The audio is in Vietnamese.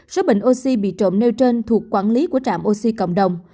số bình oxy bị trộm nêu trên thuộc quản lý của trạm oxy cộng đồng